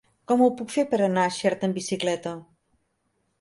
Com ho puc fer per anar a Xerta amb bicicleta?